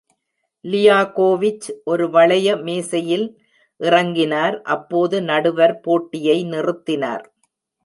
Lyakhovich ஒரு வளைய மேசையில் இறங்கினார், அப்போது நடுவர் போட்டியை நிறுத்தினார்.